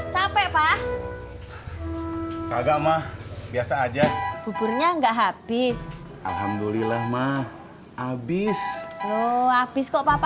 capek pak kagak mah biasa aja kuburnya nggak habis alhamdulillah mah habis lo habis kok papa